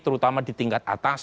terutama di tingkat atas